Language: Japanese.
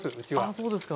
そうですか。